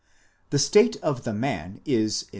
The state of the man is in.